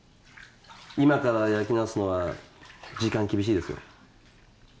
今から焼き直すのは時間厳しいですよ